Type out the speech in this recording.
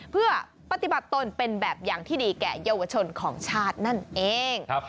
เพื่อปฏิบัติตนเป็นแบบอย่างที่ดีแก่เยาวชนของชาตินั่นเอง